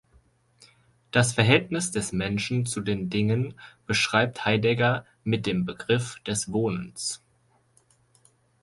Das Verhältnis des Menschen zu den Dingen beschreibt Heidegger mit dem Begriff des „Wohnens“.